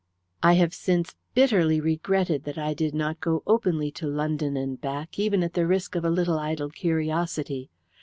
I have since bitterly regretted that I did not go openly to London and back, even at the risk of a little idle curiosity.